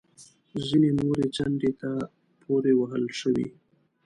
ځینې نورې څنډې ته پورې وهل شوې